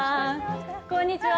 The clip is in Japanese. こんにちは。